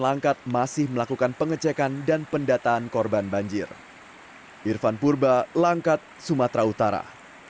langkat masih melakukan pengecekan dan pendataan korban banjir irfan purba langkat sumatera utara